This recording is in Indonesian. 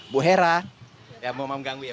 bu hera ya mau mengganggu ya